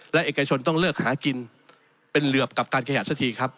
และเอกชนต้องเลิกหากินเป็นเหลือบกับการขยันสักทีครับ